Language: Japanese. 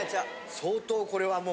相当これはもう。